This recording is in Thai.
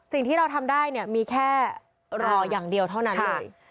สิ่งที่เราทำได้เนี่ยมีแค่รออย่างเดียวเท่านั้นเลย